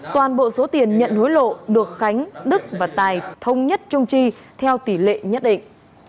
toàn bộ số tiền nhận hối lộ được khánh đức và tài thông nhất trung trì theo tỷ lệ nhất định